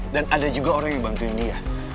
dan ada juga orang yang dibantuin dia